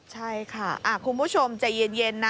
ใช่ค่ะคุณผู้ชมใจเย็นนะ